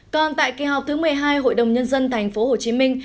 còn tại kế hoạch thứ một mươi hai hội đồng nhân dân thành phố hồ chí minh